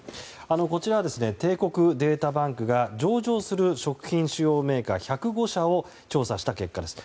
こちら帝国データバンクが上場する食品主要メーカー１０５社を調査した結果です。